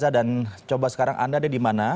dan coba sekarang anda ada di mana